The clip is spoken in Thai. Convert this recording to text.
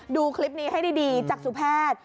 ดูคลิปนี้ให้ดีจากสุแพทย์